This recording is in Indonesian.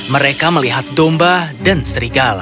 mereka melihat domba dan serigala